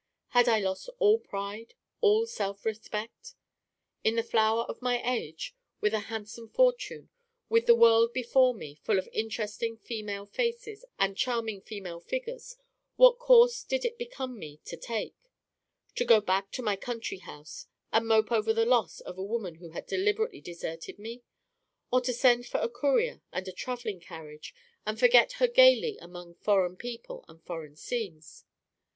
Had I lost all pride, all self respect? In the flower of my age, with a handsome fortune, with the world before me, full of interesting female faces and charming female figures, what course did it become me to take? To go back to my country house, and mope over the loss of a woman who had deliberately deserted me? or to send for a courier and a traveling carriage, and forget her gayly among foreign people and foreign scenes?